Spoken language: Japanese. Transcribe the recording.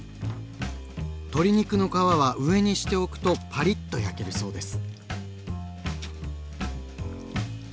鶏肉の皮は上にしておくとパリッと焼けるそうです。